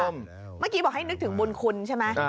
เมื่อกี้บอกให้นึกถึงบุญคุณใช่ไหม